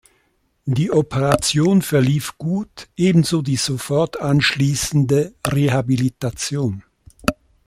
Die Operation verlief gut, ebenso die sofort anschließende Rehabilitation.